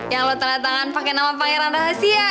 yang lo tanda tangan pakai nama pangeran rahasia